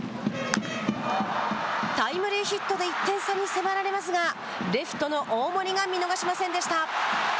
タイムリーヒットで１点差に迫られますがレフトの大盛が見逃しませんでした。